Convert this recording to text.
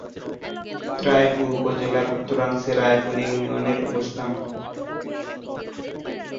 রায়পুর উপজেলার উত্তরাংশে রায়পুর ইউনিয়নের অবস্থান।